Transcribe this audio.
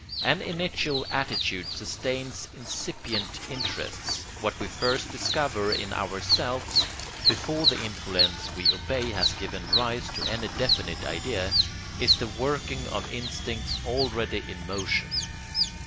An initial attitude sustains incipient interests. What we first discover in ourselves, before the influence we obey has given rise to any definite idea, is the working of instincts already in motion.